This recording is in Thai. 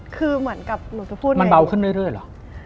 คือเหมือนกับหนูจะพูดมันเบาขึ้นเรื่อยเหรอ